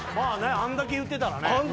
あんだけ言ってたらね。